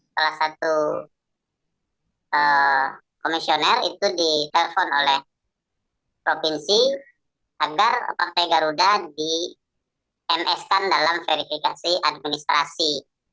salah satu komisioner itu ditelepon oleh provinsi agar partai garuda di ms kan dalam verifikasi administrasi